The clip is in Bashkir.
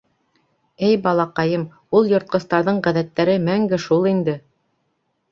— Эй балаҡайым, ул йыртҡыстарҙың ғәҙәттәре мәңге шул инде.